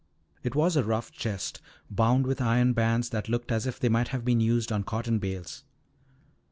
It was a rough chest, bound with iron bands that looked as if they might have been used on cotton bales.